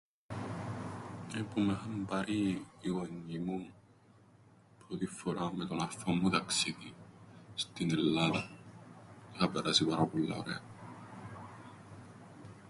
Ε, που μ' είχαν πάρει, οι γονιοί μου πρώτην φοράν με τον αρφόν μου ταξίδιν, στην Ελλάδαν. Είχα περάσει πάρα πολλά ωραία.